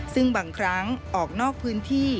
ซึ่งบางครั้งออกนอกพื้นที่